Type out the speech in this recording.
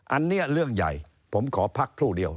อันนี้เรื่องใหญ่ผมขอพักครู่เดียว